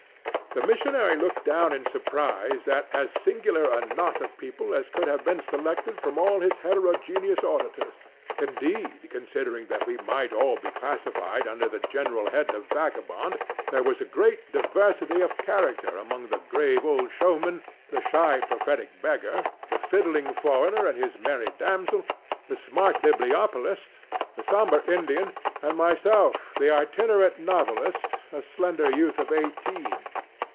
The missionary looked down in surprise at as singular a knot of people as could have been selected from all his heterogeneous auditors. Indeed, considering that we might all be classified under the general head of Vagabond, there was great diversity of character among the grave old showman, the sly, prophetic beggar, the fiddling foreigner and his merry damsel, the smart bibliopolist, the sombre Indian and myself, the itinerant novelist, a slender youth of eighteen.